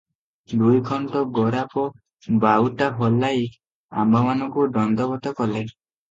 ଦୁଇଖଣ୍ଡ ଗୋରାପ ବାଉଟା ହଲାଇ ଆମ୍ଭମାନଙ୍କୁ ଦଣ୍ଡବତ କଲେ ।